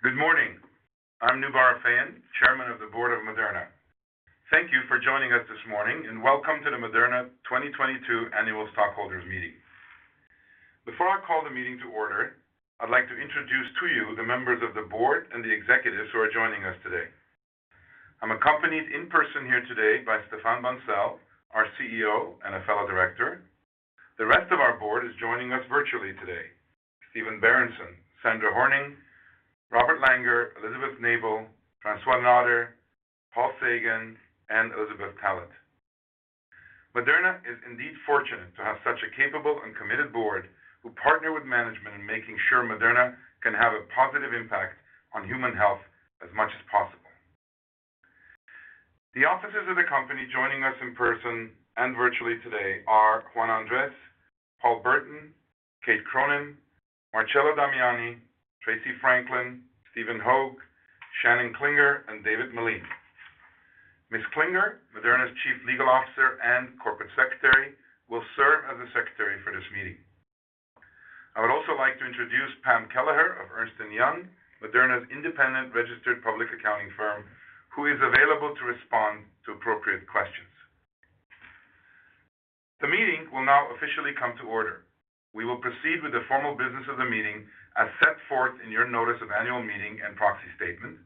Good morning. I'm Noubar Afeyan, Chairman of the Board of Moderna. Thank you for joining us this morning, and welcome to the Moderna 2022 Annual Stockholders Meeting. Before I call the meeting to order, I'd like to introduce to you the members of the board and the executives who are joining us today. I'm accompanied in person here today by Stéphane Bancel, our CEO and a fellow director. The rest of our board is joining us virtually today, Stephen Berenson, Sandra Horning, Robert Langer, Elizabeth Nabel, François Nader, Paul Sagan, and Elizabeth Tallett. Moderna is indeed fortunate to have such a capable and committed board who partner with management in making sure Moderna can have a positive impact on human health as much as possible. The officers of the company joining us in person and virtually today are Juan Andres, Paul Burton, Kate Cronin, Marcello Damiani, Tracey Franklin, Stephen Hoge, Shannon Klinger, and David Meline. Miss Klinger, Moderna's Chief Legal Officer and Corporate Secretary, will serve as the secretary for this meeting. I would also like to introduce Pam Kelleher of Ernst & Young, Moderna's independent registered public accounting firm, who is available to respond to appropriate questions. The meeting will now officially come to order. We will proceed with the formal business of the meeting as set forth in your notice of annual meeting and proxy statement,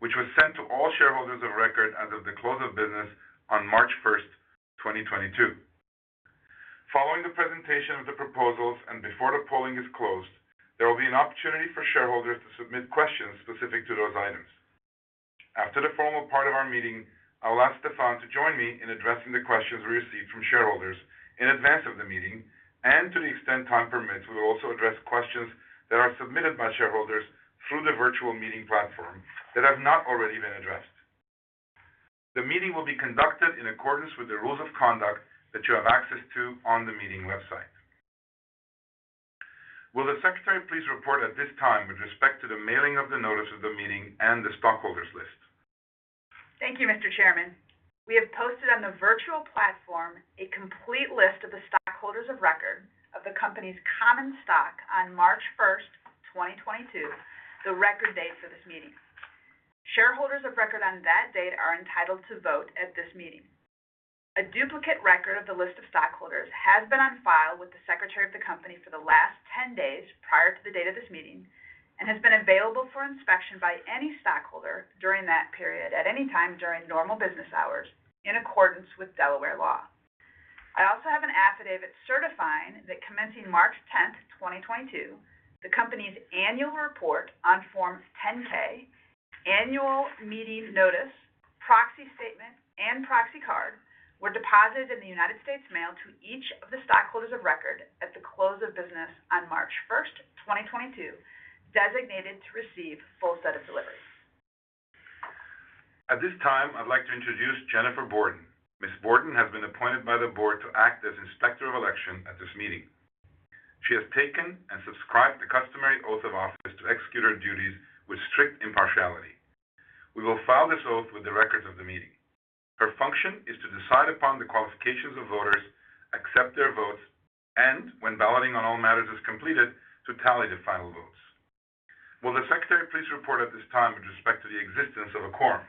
which was sent to all shareholders of record as of the close of business on March 1, 2022. Following the presentation of the proposals and before the polling is closed, there will be an opportunity for shareholders to submit questions specific to those items. After the formal part of our meeting, I'll ask Stéphane to join me in addressing the questions we received from shareholders in advance of the meeting, and to the extent time permits, we will also address questions that are submitted by shareholders through the virtual meeting platform that have not already been addressed. The meeting will be conducted in accordance with the rules of conduct that you have access to on the meeting website. Will the secretary please report at this time with respect to the mailing of the notice of the meeting and the stockholders list? Thank you, Mr. Chairman. We have posted on the virtual platform a complete list of the stockholders of record of the company's common stock on March 1, 2022, the record date for this meeting. Shareholders of record on that date are entitled to vote at this meeting. A duplicate record of the list of stockholders has been on file with the Secretary of the company for the last 10 days prior to the date of this meeting and has been available for inspection by any stockholder during that period at any time during normal business hours in accordance with Delaware law. I also have an affidavit certifying that commencing March tenth, 2022, the company's annual report on Form 10-K, annual meeting notice, proxy statement, and proxy card were deposited in the U.S. Mail to each of the stockholders of record at the close of business on March first, 2022, designated to receive full set of deliveries. At this time, I'd like to introduce Jennifer Borden. Ms. Borden has been appointed by the board to act as Inspector of Election at this meeting. She has taken and subscribed the customary oath of office to execute her duties with strict impartiality. We will file this oath with the records of the meeting. Her function is to decide upon the qualifications of voters, accept their votes, and when balloting on all matters is completed, to tally the final votes. Will the secretary please report at this time with respect to the existence of a quorum?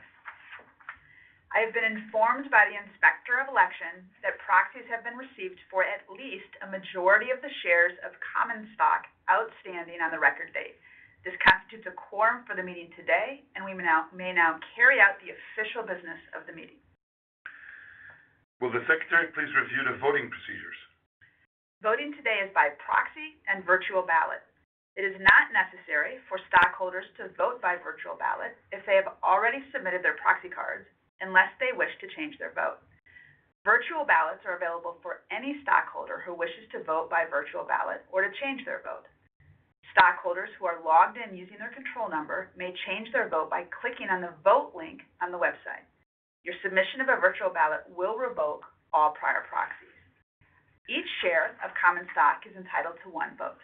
I have been informed by the Inspector of Election that proxies have been received for at least a majority of the shares of common stock outstanding on the record date. This constitutes a quorum for the meeting today, and we may now carry out the official business of the meeting. Will the secretary please review the voting procedures? Voting today is by proxy and virtual ballot. It is not necessary for stockholders to vote by virtual ballot if they have already submitted their proxy cards unless they wish to change their vote. Virtual ballots are available for any stockholder who wishes to vote by virtual ballot or to change their vote. Stockholders who are logged in using their control number may change their vote by clicking on the vote link on the website. Your submission of a virtual ballot will revoke all prior proxies. Each share of common stock is entitled to one vote.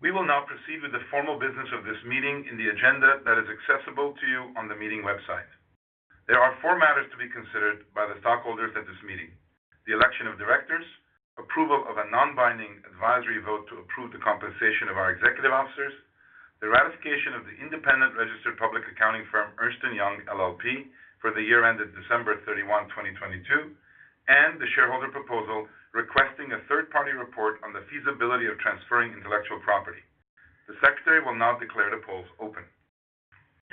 We will now proceed with the formal business of this meeting in the agenda that is accessible to you on the meeting website. There are four matters to be considered by the stockholders at this meeting. The election of directors, approval of a non-binding advisory vote to approve the compensation of our executive officers, the ratification of the independent registered public accounting firm, Ernst & Young LLP, for the year ended December 31, 2022, and the shareholder proposal requesting a third-party report on the feasibility of transferring intellectual property. The secretary will now declare the polls open.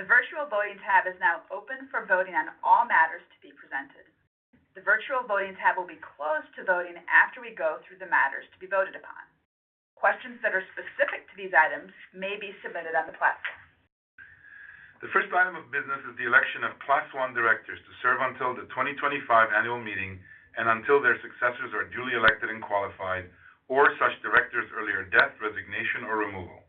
The Virtual Voting tab is now open for voting on all matters to be presented. The Virtual Voting tab will be closed to voting after we go through the matters to be voted upon. Questions that are specific to these items may be submitted on the platform. The first item of business is the election of Class One directors to serve until the 2025 annual meeting and until their successors are duly elected and qualified or such directors earlier death, resignation, or removal.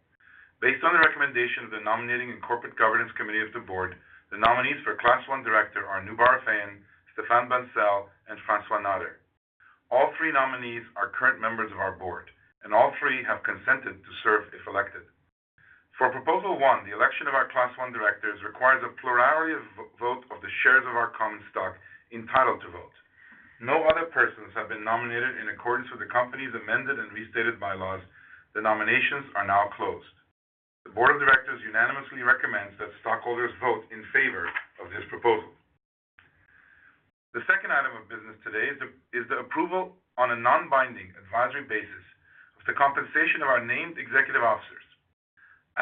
Based on the recommendation of the Nominating and Corporate Governance Committee of the Board, the nominees for Class One director are Noubar Afeyan, Stéphane Bancel, and François Nader. All three nominees are current members of our board, and all three have consented to serve if elected. For Proposal one, the election requires a plurality of votes of the shares of our common stock entitled to vote. No other persons have been nominated in accordance with the company's amended and restated bylaws. The nominations are now closed. The board of directors unanimously recommends that stockholders vote in favor of this proposal. The second item of business today is the approval on a non-binding advisory basis of the compensation of our named executive officers.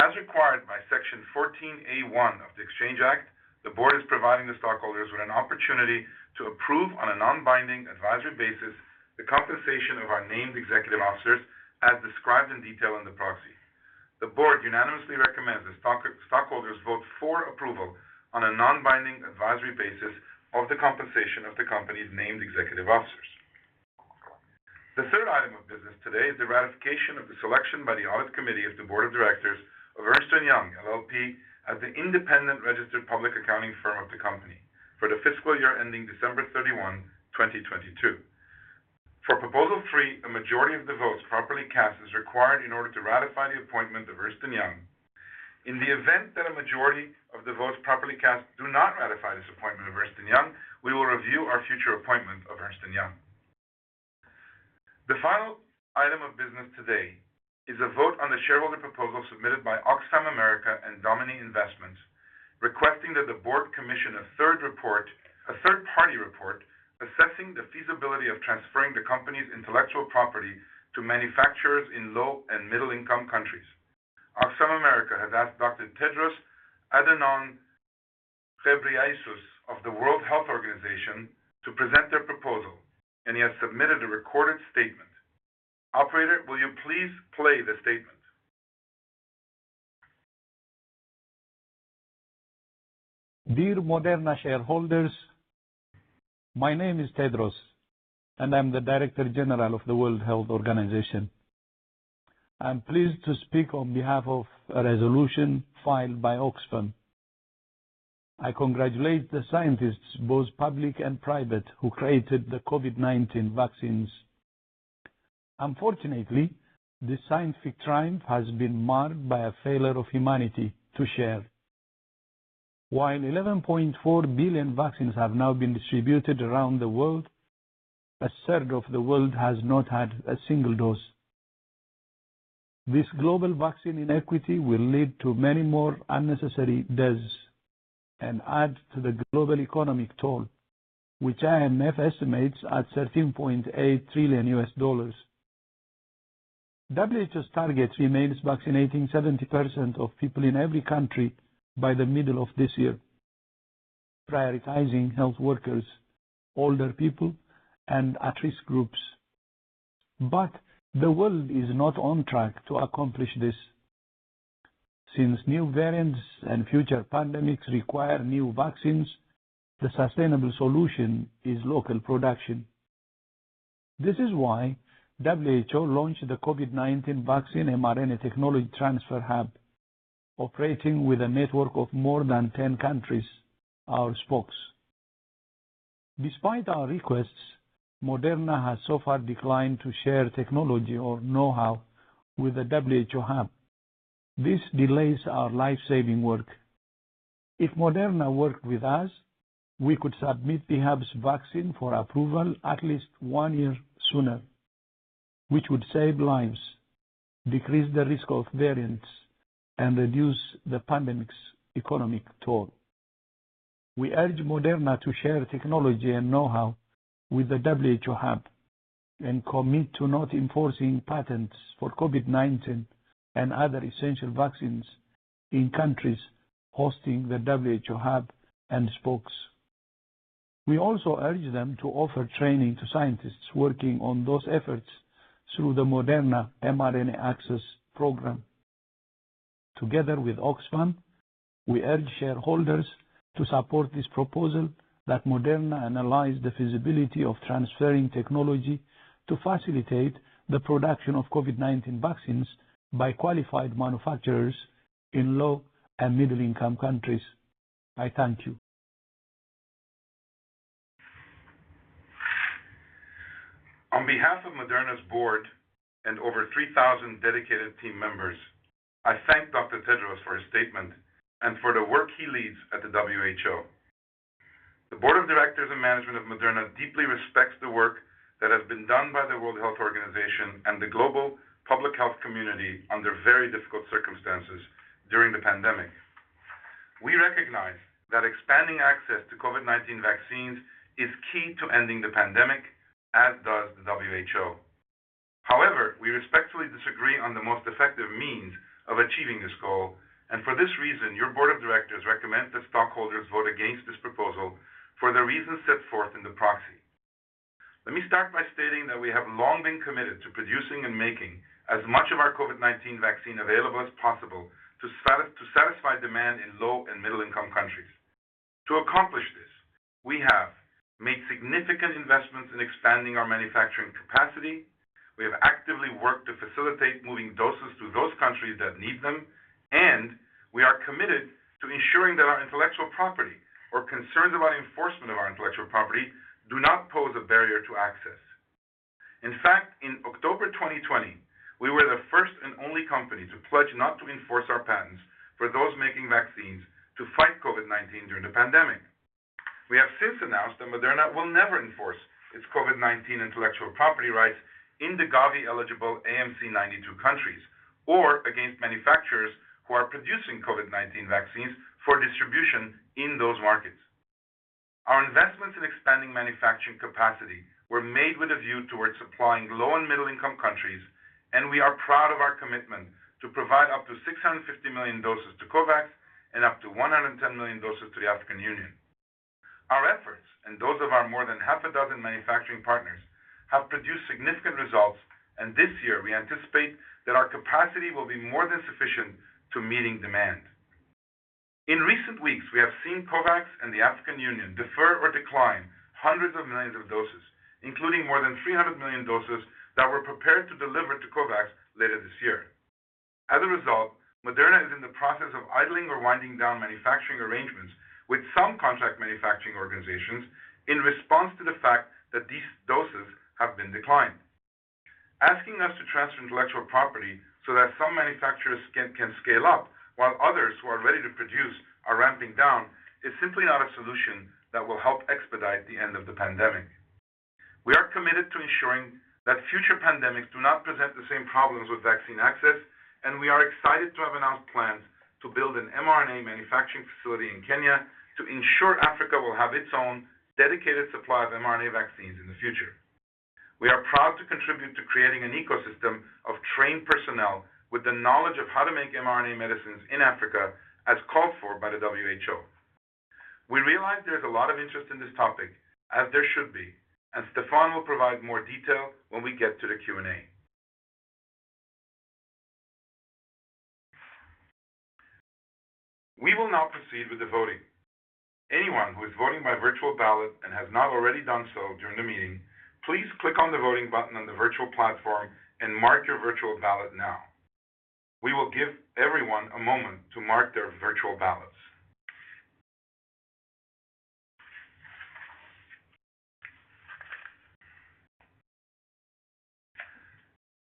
As required by Section 14A(a)(1) of the Exchange Act, the board is providing the stockholders with an opportunity to approve on a non-binding advisory basis the compensation of our named executive officers as described in detail in the proxy. The board unanimously recommends that stockholders vote for approval on a non-binding advisory basis of the compensation of the company's named executive officers. The third item of business today is the ratification of the selection by the Audit Committee of the Board of Directors of Ernst & Young LLP as the independent registered public accounting firm of the company for the fiscal year ending December 31, 2022. For proposal three, a majority of the votes properly cast is required in order to ratify the appointment of Ernst & Young. In the event that a majority of the votes properly cast do not ratify this appointment of Ernst & Young, we will review our future appointment of Ernst & Young. The final item of business today is a vote on the shareholder proposal submitted by Oxfam America and Domini Impact Investments, requesting that the board commission a third report, a third-party report assessing the feasibility of transferring the company's intellectual property to manufacturers in low and middle-income countries. Oxfam America has asked Dr. Tedros Adhanom Ghebreyesus of the World Health Organization to present their proposal, and he has submitted a recorded statement. Operator, will you please play the statement? Dear Moderna shareholders, my name is Tedros, and I'm the Director-General of the World Health Organization. I'm pleased to speak on behalf of a resolution filed by Oxfam. I congratulate the scientists, both public and private, who created the COVID-19 vaccines. Unfortunately, this scientific triumph has been marred by a failure of humanity to share. While 11.4 billion vaccines have now been distributed around the world, a third of the world has not had a single dose. This global vaccine inequity will lead to many more unnecessary deaths and add to the global economic toll, which IMF estimates at $13.8 trillion. WHO's target remains vaccinating 70% of people in every country by the middle of this year, prioritizing health workers, older people, and at-risk groups. The world is not on track to accomplish this. Since new variants and future pandemics require new vaccines, the sustainable solution is local production. This is why WHO launched the COVID-19 mRNA vaccine technology transfer hub, operating with a network of more than ten countries, our spokes. Despite our requests, Moderna has so far declined to share technology or know-how with the WHO hub. This delays our life-saving work. If Moderna worked with us, we could submit the hub's vaccine for approval at least one year sooner, which would save lives, decrease the risk of variants, and reduce the pandemic's economic toll. We urge Moderna to share technology and know-how with the WHO hub and commit to not enforcing patents for COVID-19 and other essential vaccines in countries hosting the WHO hub and spokes. We also urge them to offer training to scientists working on those efforts through the Moderna mRNA Access Program. Together with Oxfam, we urge shareholders to support this proposal that Moderna analyze the feasibility of transferring technology to facilitate the production of COVID-19 vaccines by qualified manufacturers in low and middle-income countries. I thank you. On behalf of Moderna's board and over 3,000 dedicated team members, I thank Dr. Tedros for his statement and for the work he leads at the WHO. The board of directors and management of Moderna deeply respects the work that has been done by the World Health Organization and the global public health community under very difficult circumstances during the pandemic. We recognize that expanding access to COVID-19 vaccines is key to ending the pandemic, as does the WHO. However, we respectfully disagree on the most effective means of achieving this goal, and for this reason, your board of directors recommend that stockholders vote against this proposal for the reasons set forth in the proxy. Let me start by stating that we have long been committed to producing and making as much of our COVID-19 vaccine available as possible to satisfy demand in low and middle-income countries. To accomplish this, we have made significant investments in expanding our manufacturing capacity, we have actively worked to facilitate moving doses to those countries that need them, and we are committed to ensuring that our intellectual property or concerns about enforcement of our intellectual property do not pose a barrier to access. In fact, in October we were the first and only company to pledge not to enforce our patents for those making vaccines to fight COVID-19 during the pandemic. We have since announced that Moderna will never enforce its COVID-19 intellectual property rights in the Gavi eligible AMC 92 countries or against manufacturers who are producing COVID-19 vaccines for distribution in those markets. Our investments in expanding manufacturing capacity were made with a view towards supplying low and middle-income countries, and we are proud of our commitment to provide up to 650 million doses to COVAX and up to 110 million doses to the African Union. Our efforts, and those of our more than half a dozen manufacturing partners, have produced significant results, and this year we anticipate that our capacity will be more than sufficient to meet demand. In recent weeks, we have seen COVAX and the African Union defer or decline hundreds of millions of doses, including more than 300 million doses that were prepared to deliver to COVAX later this year. As a result, Moderna is in the process of idling or winding down manufacturing arrangements with some contract manufacturing organizations in response to the fact that these doses have been declined. Asking us to transfer intellectual property so that some manufacturers can scale up while others who are ready to produce are ramping down is simply not a solution that will help expedite the end of the pandemic. We are committed to ensuring that future pandemics do not present the same problems with vaccine access, and we are excited to have announced plans to build an mRNA manufacturing facility in Kenya to ensure Africa will have its own dedicated supply of mRNA vaccines in the future. We are proud to contribute to creating an ecosystem of trained personnel with the knowledge of how to make mRNA medicines in Africa as called for by the WHO. We realize there's a lot of interest in this topic, as there should be, and Stéphane will provide more detail when we get to the Q&A. We will now proceed with the voting. Anyone who is voting by virtual ballot and has not already done so during the meeting, please click on the voting button on the virtual platform and mark your virtual ballot now. We will give everyone a moment to mark their virtual ballots.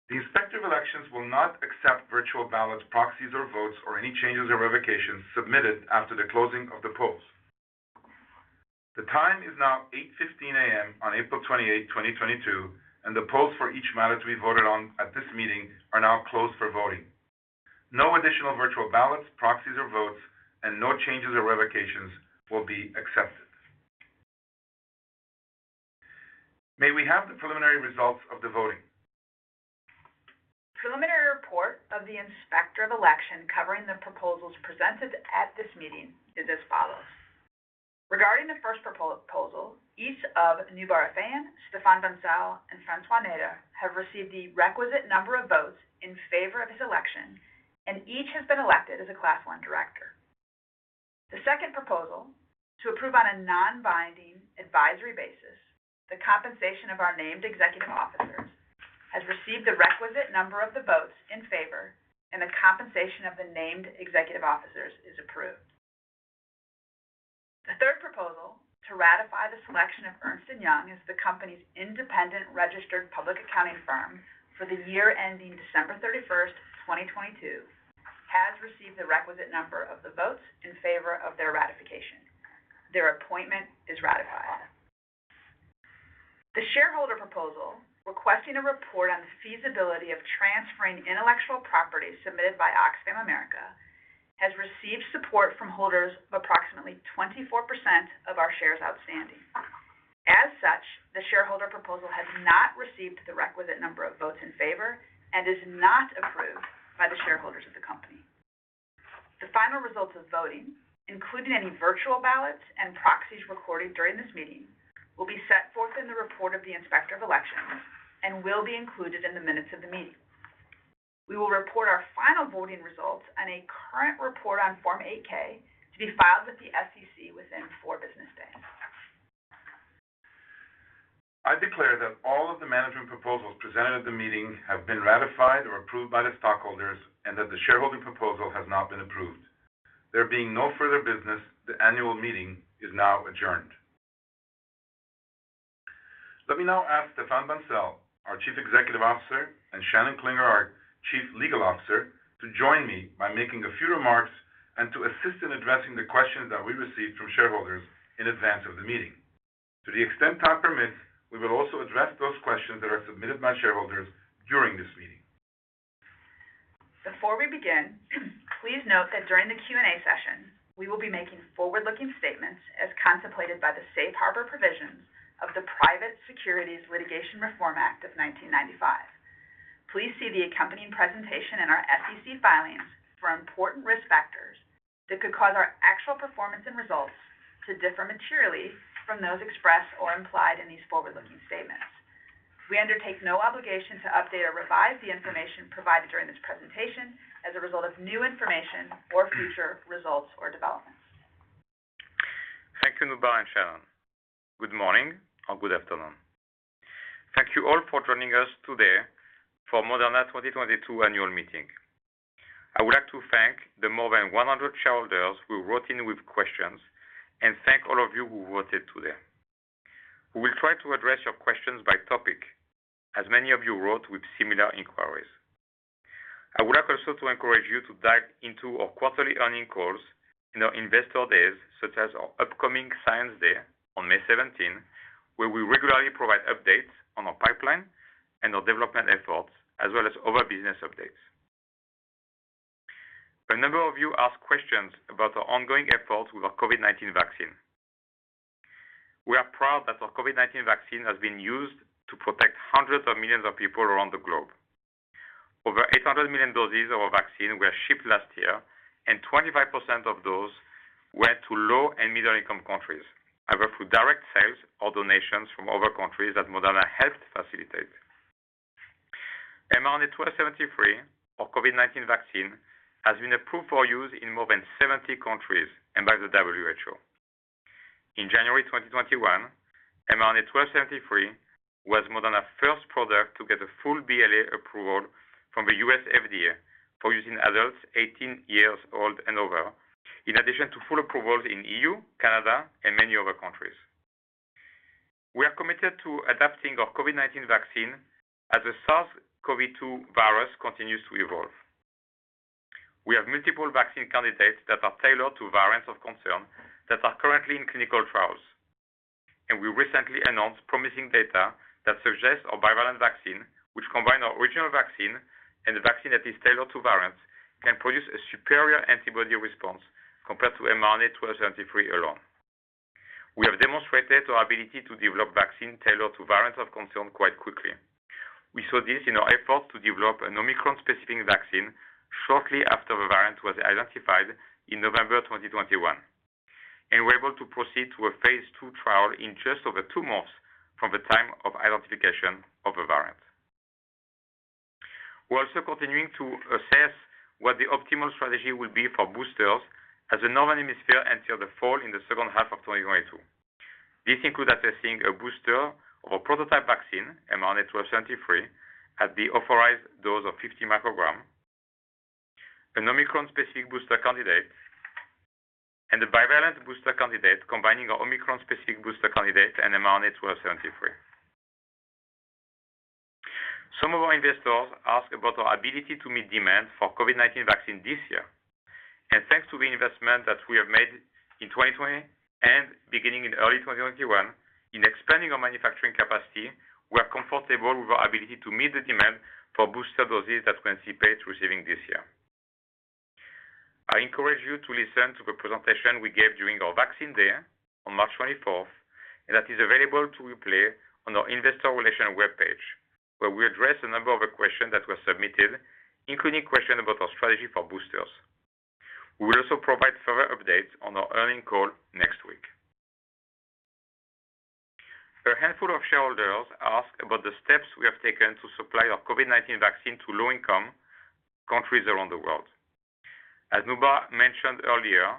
The Inspector of Elections will not accept virtual ballots, proxies, or votes, or any changes or revocations submitted after the closing of the polls. The time is now 8:15 A.M. on April 28, 2022, and the polls for each matter to be voted on at this meeting are now closed for voting. No additional virtual ballots, proxies, or votes, and no changes or revocations will be accepted. May we have the preliminary results of the voting? Preliminary report of the Inspector of Election covering the proposals presented at this meeting is as follows. Regarding the first proposal, each of Noubar Afeyan, Stéphane Bancel, and François Nader have received the requisite number of votes in favor of his election and each has been elected as a class one director. The second proposal to approve on a non-binding advisory basis, the compensation of our named executive officers has received the requisite number of the votes in favor, and the compensation of the named executive officers is approved. The third proposal to ratify the selection of Ernst & Young as the company's independent registered public accounting firm for the year ending December 31, 2022, has received the requisite number of the votes in favor of their ratification. Their appointment is ratified. The shareholder proposal requesting a report on the feasibility of transferring intellectual property submitted by Oxfam America has received support from holders of approximately 24% of our shares outstanding. As such, the shareholder proposal has not received the requisite number of votes in favor and is not approved by the shareholders of the company. The final results of voting, including any virtual ballots and proxies recorded during this meeting, will be set forth in the report of the Inspector of Elections and will be included in the minutes of the meeting. We will report our final voting results and a current report on Form 8-K to be filed with the SEC within four business days. I declare that all of the management proposals presented at the meeting have been ratified or approved by the stockholders and that the shareholder proposal has not been approved. There being no further business, the annual meeting is now adjourned. Let me now ask Stéphane Bancel, our Chief Executive Officer, and Shannon Klinger, our Chief Legal Officer, to join me by making a few remarks and to assist in addressing the questions that we received from shareholders in advance of the meeting. To the extent time permits, we will also address those questions that are submitted by shareholders during this meeting. Before we begin, please note that during the Q&A session, we will be making forward-looking statements as contemplated by the safe harbor provisions of the Private Securities Litigation Reform Act of 1995. Please see the accompanying presentation in our SEC filings for important risk factors that could cause our actual performance and results to differ materially from those expressed or implied in these forward-looking statements. We undertake no obligation to update or revise the information provided during this presentation as a result of new information or future results or developments. Thank you, Noubar and Shannon. Good morning or good afternoon. Thank you all for joining us today for Moderna 2022 annual meeting. I would like to thank the more than 100 shareholders who wrote in with questions, and thank all of you who voted today. We will try to address your questions by topic, as many of you wrote with similar inquiries. I would like also to encourage you to dive into our quarterly earnings calls and our investor days, such as our upcoming Science Day on May seventeenth, where we regularly provide updates on our pipeline and our development efforts, as well as other business updates. A number of you asked questions about our ongoing efforts with our COVID-19 vaccine. We are proud that our COVID-19 vaccine has been used to protect hundreds of millions of people around the globe. Over 800 million doses of our vaccine were shipped last year, and 25% of those went to low and middle-income countries, either through direct sales or donations from other countries that Moderna helped facilitate. mRNA-1273, or COVID-19 vaccine, has been approved for use in more than 70 countries and by the WHO. In January 2021, mRNA-1273 was Moderna's first product to get a full BLA approval from the U.S. FDA for use in adults 18 years old and over, in addition to full approvals in EU, Canada, and many other countries. We are committed to adapting our COVID-19 vaccine as the SARS-CoV-2 virus continues to evolve. We have multiple vaccine candidates that are tailored to variants of concern that are currently in clinical trials. We recently announced promising data that suggests our bivalent vaccine, which combine our original vaccine and the vaccine that is tailored to variants, can produce a superior antibody response compared to mRNA-1273 alone. We have demonstrated our ability to develop vaccine tailored to variants of concern quite quickly. We saw this in our effort to develop an Omicron-specific vaccine shortly after the variant was identified in November 2021, and we're able to proceed to a phase II trial in just over two months from the time of identification of the variant. We're also continuing to assess what the optimal strategy will be for boosters as the Northern Hemisphere enters the fall in the second half of 2022. This includes assessing a booster of our prototype vaccine, mRNA-1273 at the authorized dose of 50 micrograms, an Omicron-specific booster candidate, and a bivalent booster candidate combining our Omicron-specific booster candidate and mRNA-1273. Some of our investors ask about our ability to meet demand for COVID-19 vaccine this year. Thanks to the investment that we have made in 2020 and beginning in early 2021 in expanding our manufacturing capacity, we are comfortable with our ability to meet the demand for booster doses that we anticipate receiving this year. I encourage you to listen to the presentation we gave during our Vaccine Day on March 24, and that is available to replay on our investor relations webpage, where we address a number of questions that were submitted, including questions about our strategy for boosters. We will also provide further updates on our earnings call next week. A handful of shareholders asked about the steps we have taken to supply our COVID-19 vaccine to low-income countries around the world. Noubar mentioned earlier,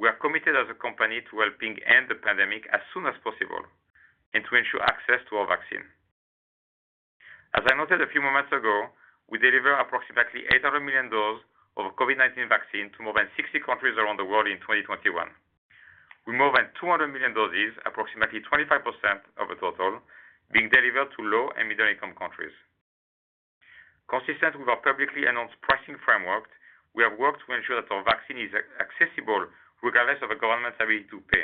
we are committed as a company to helping end the pandemic as soon as possible and to ensure access to our vaccine. As I noted a few moments ago, we delivered approximately 800 million doses of COVID-19 vaccine to more than 60 countries around the world in 2021. With more than 200 million doses, approximately 25% of the total being delivered to low- and middle-income countries. Consistent with our publicly announced pricing framework, we have worked to ensure that our vaccine is accessible regardless of a government's ability to pay,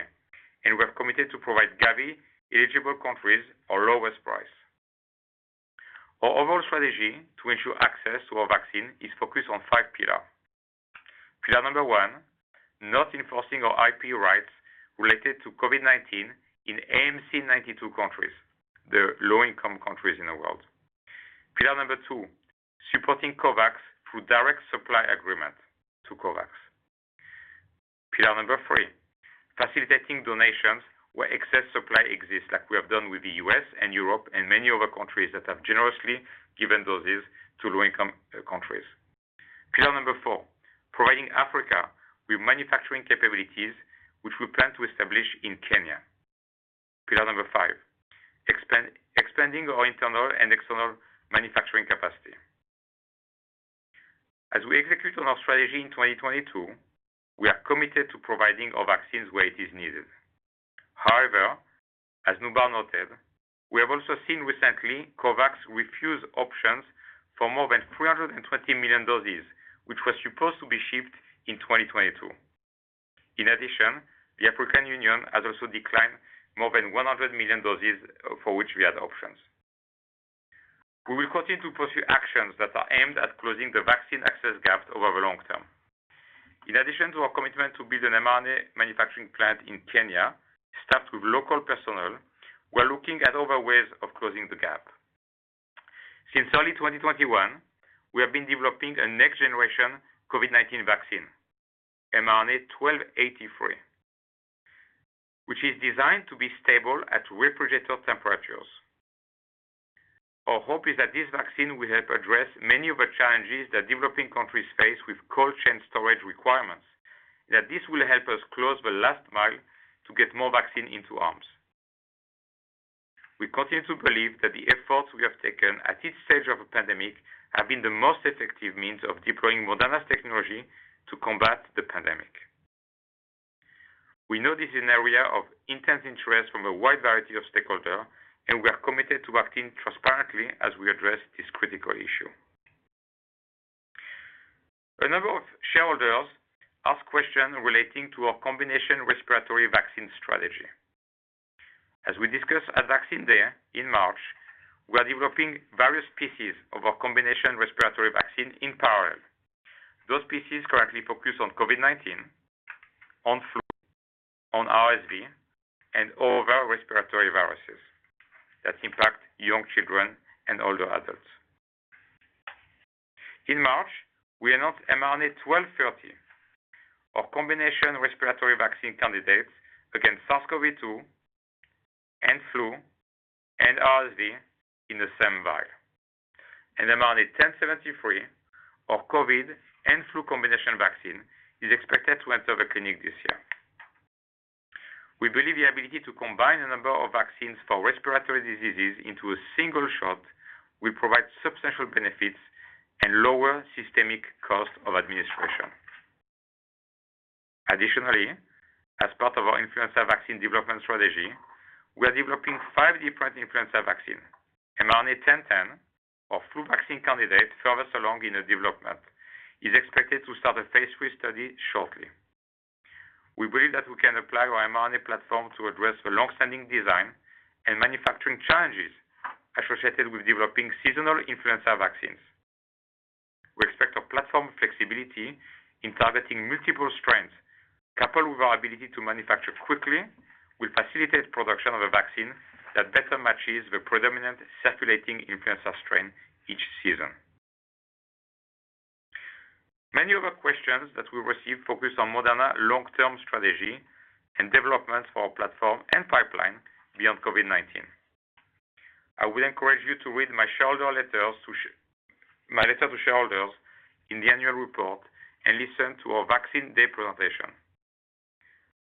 and we are committed to provide Gavi-eligible countries our lowest price. Our overall strategy to ensure access to our vaccine is focused on five pillars. Pillar number one, not enforcing our IP rights related to COVID-19 in AMC 92 countries, the low-income countries in the world. Pillar number two, supporting COVAX through direct supply agreement to COVAX. Pillar number three, facilitating donations where excess supply exists like we have done with the U.S. and Europe and many other countries that have generously given doses to low-income countries. Pillar number four, providing Africa with manufacturing capabilities which we plan to establish in Kenya. Pillar number five, expanding our internal and external manufacturing capacity. As we execute on our strategy in 2022, we are committed to providing our vaccines where it is needed. However, as Noubar noted, we have also seen recently COVAX refuse options for more than 320 million doses, which was supposed to be shipped in 2022. In addition, the African Union has also declined more than 100 million doses for which we had options. We will continue to pursue actions that are aimed at closing the vaccine access gaps over the long term. In addition to our commitment to build an mRNA manufacturing plant in Kenya, staffed with local personnel, we're looking at other ways of closing the gap. Since early 2021, we have been developing a next generation COVID-19 vaccine, mRNA-1283, which is designed to be stable at refrigerator temperatures. Our hope is that this vaccine will help address many of the challenges that developing countries face with cold chain storage requirements, that this will help us close the last mile to get more vaccine into arms. We continue to believe that the efforts we have taken at each stage of a pandemic have been the most effective means of deploying Moderna's technology to combat the pandemic. We know this is an area of intense interest from a wide variety of stakeholders, and we are committed to acting transparently as we address this critical issue. A number of shareholders ask questions relating to our combination respiratory vaccine strategy. As we discussed at Vaccine Day in March, we are developing various pieces of our combination respiratory vaccine in parallel. Those pieces currently focus on COVID-19, on flu, on RSV, and other respiratory viruses that impact young children and older adults. In March, we announced mRNA-1230, our combination respiratory vaccine candidates against SARS-CoV-2 and flu and RSV in the same vial. mRNA-1073, our COVID and flu combination vaccine is expected to enter the clinic this year. We believe the ability to combine a number of vaccines for respiratory diseases into a single shot will provide substantial benefits and lower systemic cost of administration. Additionally, as part of our influenza vaccine development strategy, we are developing five different influenza vaccine. mRNA-1010, our flu vaccine candidate furthest along in the development, is expected to start a phase III study shortly. We believe that we can apply our mRNA platform to address the long-standing design and manufacturing challenges associated with developing seasonal influenza vaccines. We expect our platform flexibility in targeting multiple strains, coupled with our ability to manufacture quickly, will facilitate production of a vaccine that better matches the predominant circulating influenza strain each season. Many of the questions that we receive focus on Moderna long-term strategy and development for our platform and pipeline beyond COVID-19. I would encourage you to read my letter to shareholders in the annual report and listen to our Vaccine Day presentation.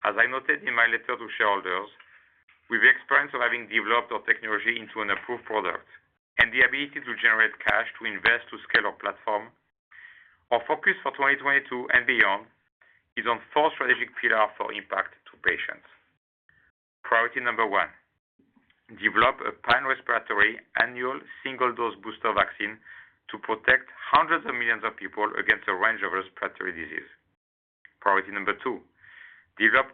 As I noted in my letter to shareholders, with the experience of having developed our technology into an approved product and the ability to generate cash to invest to scale our platform, our focus for 2022 and beyond is on four strategic pillars for impact to patients. Priority number one, develop a pan-respiratory annual single dose booster vaccine to protect hundreds of millions of people against a range of respiratory disease. Priority number two, develop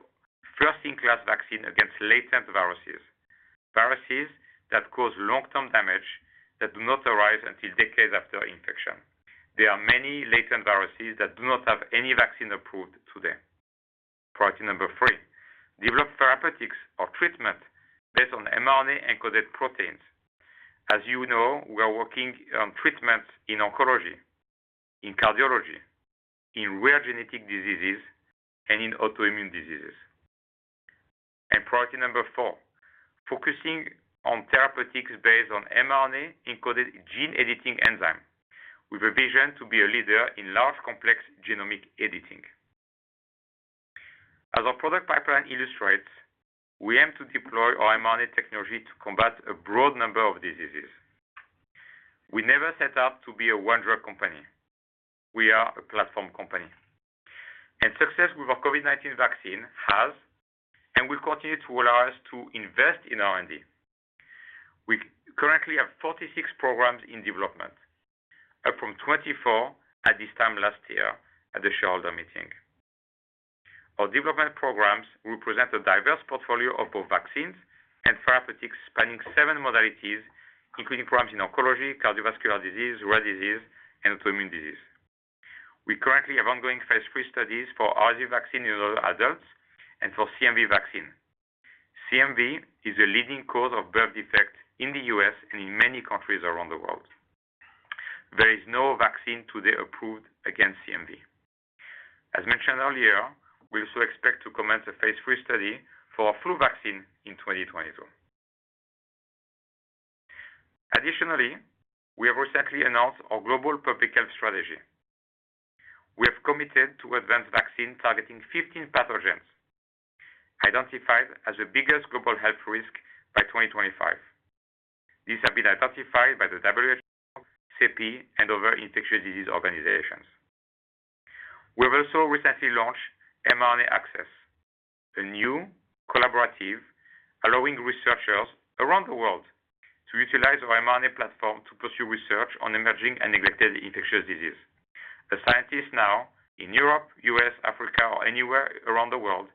first-in-class vaccine against latent viruses that cause long-term damage that do not arise until decades after infection. There are many latent viruses that do not have any vaccine approved today. Priority number three, develop therapeutics or treatment based on mRNA encoded proteins. As you know, we are working on treatments in oncology, in cardiology, in rare genetic diseases, and in autoimmune diseases. Priority number four, focusing on therapeutics based on mRNA encoded gene editing enzyme with a vision to be a leader in large complex genomic editing. As our product pipeline illustrates, we aim to deploy our mRNA technology to combat a broad number of diseases. We never set out to be a one drug company. We are a platform company. Success with our COVID-19 vaccine has and will continue to allow us to invest in R&D. We currently have 46 programs in development, up from 24 at this time last year at the shareholder meeting. Our development programs will present a diverse portfolio of both vaccines and therapeutics spanning seven modalities, including programs in oncology, cardiovascular disease, rare disease, and autoimmune disease. We currently have ongoing phase III studies for RSV vaccine in older adults and for CMV vaccine. CMV is the leading cause of birth defects in the U.S. and in many countries around the world. There is no vaccine today approved against CMV. As mentioned earlier, we also expect to commence a phase III study for our flu vaccine in 2022. Additionally, we have recently announced our global public health strategy. We have committed to advance vaccine targeting 15 pathogens identified as the biggest global health risk by 2025. These have been identified by the WHO, CEPI, and other infectious disease organizations. We have also recently launched mRNA Access, a new collaborative allowing researchers around the world to utilize our mRNA platform to pursue research on emerging and neglected infectious disease. The scientists now in Europe, U.S., Africa, or anywhere around the world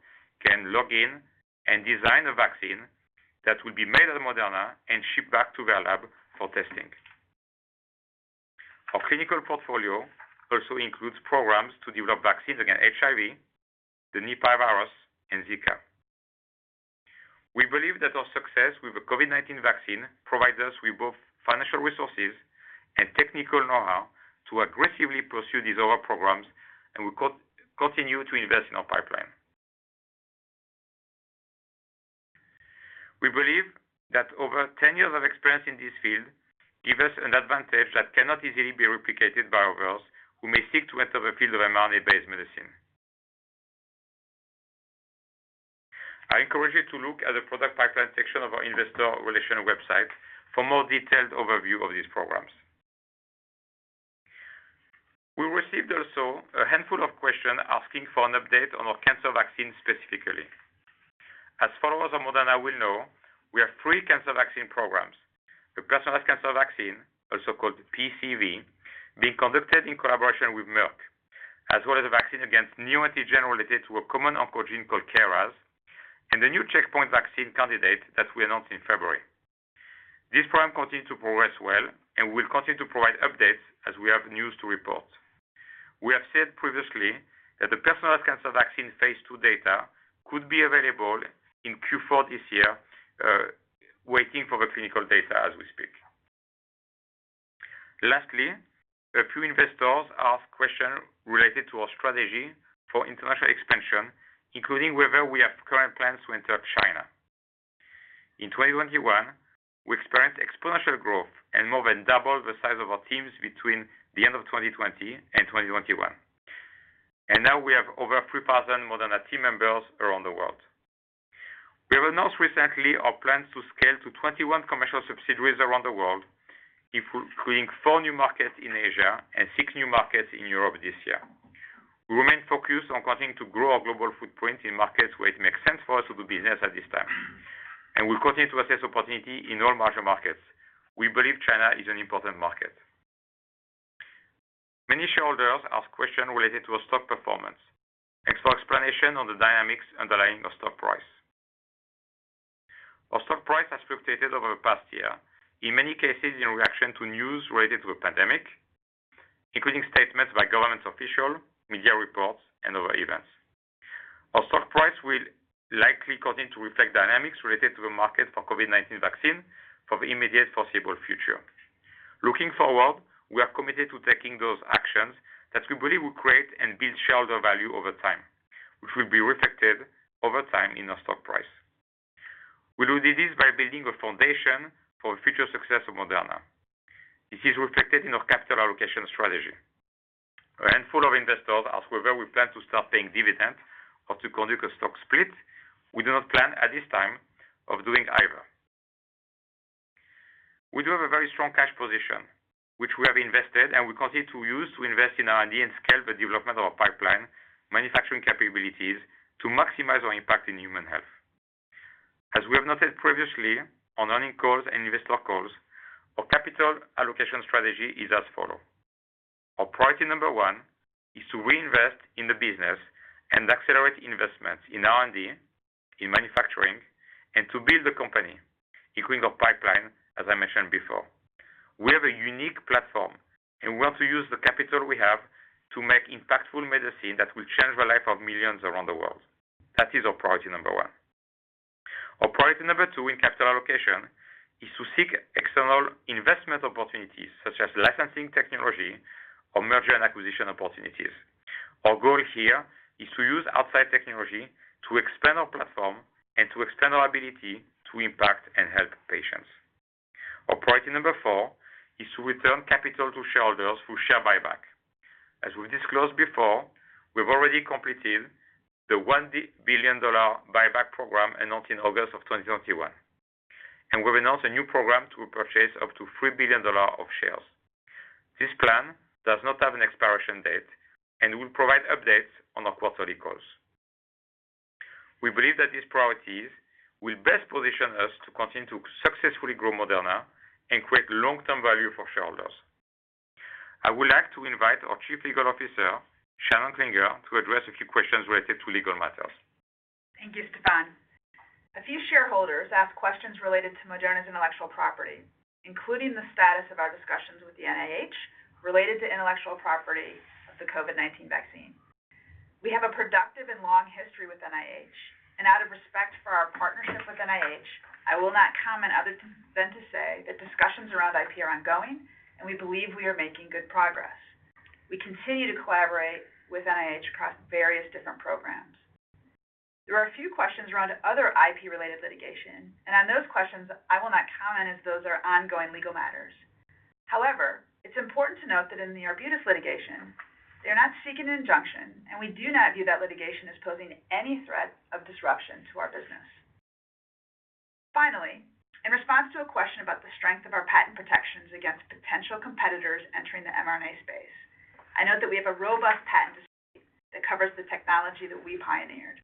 can log in and design a vaccine that will be made at Moderna and shipped back to their lab for testing. Our clinical portfolio also includes programs to develop vaccines against HIV, the Nipah virus, and Zika. We believe that our success with the COVID-19 vaccine provides us with both financial resources and technical know-how to aggressively pursue these other programs, and we continue to invest in our pipeline. We believe that over 10 years of experience in this field give us an advantage that cannot easily be replicated by others who may seek to enter the field of mRNA-based medicine. I encourage you to look at the product pipeline section of our investor relations website for more detailed overview of these programs. We received also a handful of questions asking for an update on our cancer vaccine specifically. As followers of Moderna will know, we have three cancer vaccine programs. The personalized cancer vaccine, also called PCV, being conducted in collaboration with Merck, as well as a vaccine against new antigen related to a common oncogene called KRAS, and a new checkpoint vaccine candidate that we announced in February. This program continues to progress well, and we'll continue to provide updates as we have news to report. We have said previously that the personalized cancer vaccine phase II data could be available in Q4 this year, waiting for the clinical data as we speak. Lastly, a few investors asked questions related to our strategy for international expansion, including whether we have current plans to enter China. In 2021, we experienced exponential growth and more than doubled the size of our teams between the end of 2020 and 2021. Now we have over 3,000 Moderna team members around the world. We have announced recently our plans to scale to 21 commercial subsidiaries around the world, including four new markets in Asia and six new markets in Europe this year. We remain focused on continuing to grow our global footprint in markets where it makes sense for us to do business at this time, and we'll continue to assess opportunity in all major markets. We believe China is an important market. Many shareholders asked questions related to our stock performance, extra explanation on the dynamics underlying our stock price. Our stock price has fluctuated over the past year, in many cases in reaction to news related to the pandemic, including statements by government officials, media reports, and other events. Our stock price will likely continue to reflect dynamics related to the market for COVID-19 vaccine for the immediate foreseeable future. Looking forward, we are committed to taking those actions that we believe will create and build shareholder value over time, which will be reflected over time in our stock price. We will do this by building a foundation for the future success of Moderna. This is reflected in our capital allocation strategy. A handful of investors asked whether we plan to start paying dividends or to conduct a stock split. We do not plan at this time of doing either. We do have a very strong cash position, which we have invested and we continue to use to invest in R&D and scale the development of our pipeline manufacturing capabilities to maximize our impact in human health. As we have noted previously on earnings calls and investor calls, our capital allocation strategy is as follows. Our priority number one is to reinvest in the business and accelerate investments in R&D, in manufacturing, and to build the company, including our pipeline, as I mentioned before. We have a unique platform, and we want to use the capital we have to make impactful medicine that will change the life of millions around the world. That is our priority number one. Our priority number two in capital allocation is to seek external investment opportunities such as licensing technology or merger and acquisition opportunities. Our goal here is to use outside technology to expand our platform and to expand our ability to impact and help patients. Our priority number four is to return capital to shareholders through share buyback. As we've disclosed before, we've already completed the $1 billion buyback program announced in August 2021, and we've announced a new program to purchase up to $3 billion of shares. This plan does not have an expiration date and will provide updates on our quarterly calls. We believe that these priorities will best position us to continue to successfully grow Moderna and create long-term value for shareholders. I would like to invite our Chief Legal Officer, Shannon Klinger, to address a few questions related to legal matters. Thank you, Stéphane. A few shareholders asked questions related to Moderna's intellectual property, including the status of our discussions with the NIH related to intellectual property of the COVID-19 vaccine. We have a productive and long history with NIH, and out of respect for our partnership with NIH, I will not comment other than to say that discussions around IP are ongoing, and we believe we are making good progress. We continue to collaborate with NIH across various different programs. There are a few questions around other IP-related litigation, and on those questions, I will not comment as those are ongoing legal matters. However, it's important to note that in the Arbutus litigation, they're not seeking an injunction, and we do not view that litigation as posing any threat of disruption to our business. Finally, in response to a question about the strength of our patent protections against potential competitors entering the mRNA space, I note that we have a robust patent suite that covers the technology that we pioneered.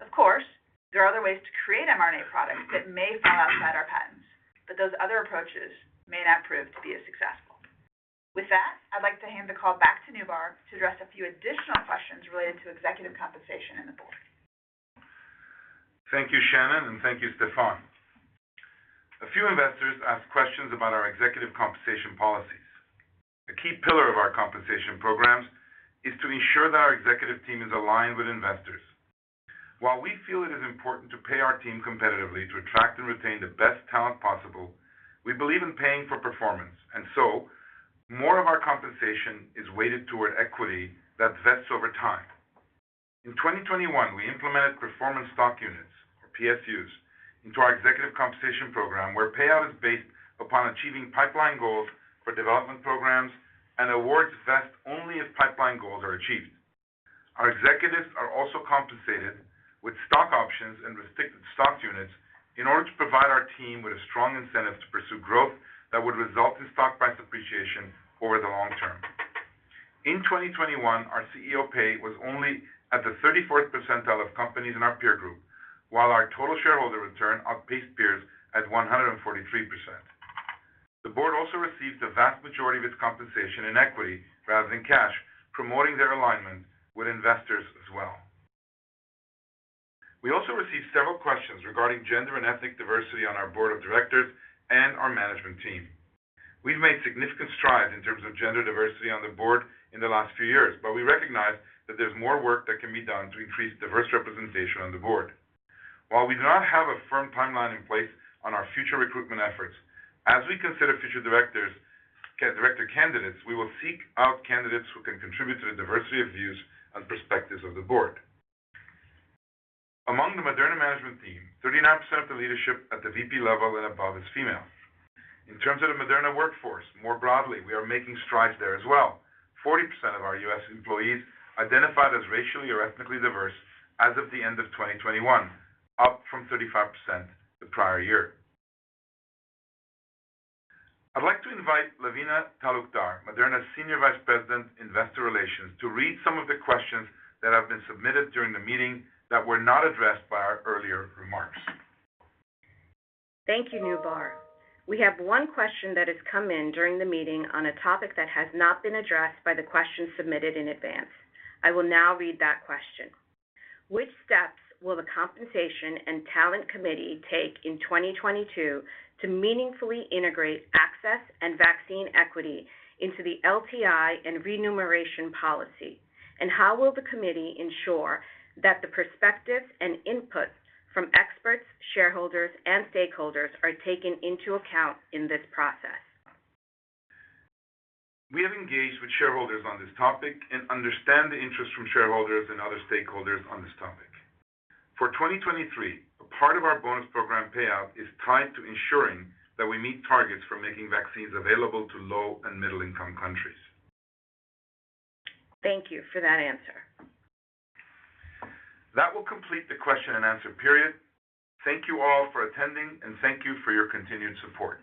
Of course, there are other ways to create mRNA products that may fall outside our patents, but those other approaches may not prove to be as successful. With that, I'd like to hand the call back to Noubar to address a few additional questions related to executive compensation and the board. Thank you, Shannon, and thank you, Stéphane. A few investors asked questions about our executive compensation policies. A key pillar of our compensation programs is to ensure that our executive team is aligned with investors. While we feel it is important to pay our team competitively to attract and retain the best talent possible, we believe in paying for performance, and so more of our compensation is weighted toward equity that vests over time. In 2021, we implemented performance stock units, or PSUs, into our executive compensation program, where payout is based upon achieving pipeline goals for development programs and awards vest only if pipeline goals are achieved. Our executives are also compensated with stock options and restricted stock units in order to provide our team with a strong incentive to pursue growth that would result in stock price appreciation over the long term. In 2021, our CEO pay was only at the 34th percentile of companies in our peer group, while our total shareholder return outpaced peers at 143%. The board also received the vast majority of its compensation in equity rather than cash, promoting their alignment with investors as well. We also received several questions regarding gender and ethnic diversity on our board of directors and our management team. We've made significant strides in terms of gender diversity on the board in the last few years, but we recognize that there's more work that can be done to increase diverse representation on the board. While we do not have a firm timeline in place on our future recruitment efforts, as we consider future directors, director candidates, we will seek out candidates who can contribute to the diversity of views and perspectives of the board. Among the Moderna management team, 39% of the leadership at the VP level and above is female. In terms of the Moderna workforce, more broadly, we are making strides there as well. 40% of our U.S. employees identified as racially or ethnically diverse as of the end of 2021, up from 35% the prior year. I'd like to invite Lavina Talukdar, Moderna's Senior Vice President, Investor Relations, to read some of the questions that have been submitted during the meeting that were not addressed by our earlier remarks. Thank you, Noubar. We have one question that has come in during the meeting on a topic that has not been addressed by the questions submitted in advance. I will now read that question. Which steps will the Compensation and Talent Committee take in 2022 to meaningfully integrate access and vaccine equity into the LTI and remuneration policy? And how will the committee ensure that the perspectives and inputs from experts, shareholders, and stakeholders are taken into account in this process? We have engaged with shareholders on this topic and understand the interest from shareholders and other stakeholders on this topic. For 2023, a part of our bonus program payout is tied to ensuring that we meet targets for making vaccines available to low and middle-income countries. Thank you for that answer. That will complete the question and answer period. Thank you all for attending, and thank you for your continued support.